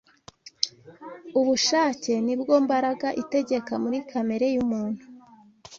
Ubushake ni bwo mbaraga itegeka muri kamere y’umuntu